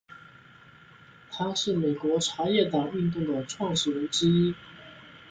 他是美国茶叶党运动的创始人之一。